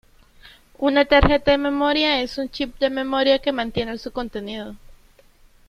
Una tarjeta de memoria es un chip de memoria que mantiene su contenido.